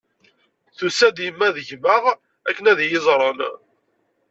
Tusa-d yemma d gma akken ad iyi-iẓren.